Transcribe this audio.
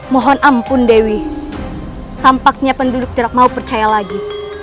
mohon ampun dewi tampaknya penduduk tidak mau percaya lagi